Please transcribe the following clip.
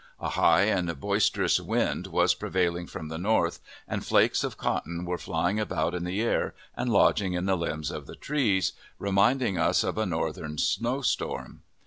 A high and boisterous wind was prevailing from the north, and flakes of cotton were flying about in the air and lodging in the limbs of the trees, reminding us of a Northern snow storm.